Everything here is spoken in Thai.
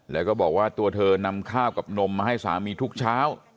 แล้วก็บอกว่าตัวเธอนำข้าวกับนมมาให้สามีทุกเช้า